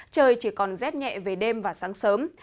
trời chỉ còn rét nhẹ về đêm và sáng sớm